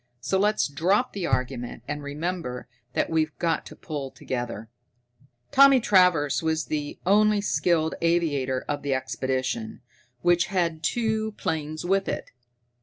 So let's drop the argument and remember that we've got to pull together!" Tommy Travers was the only skilled aviator of the expedition, which had brought two planes with it.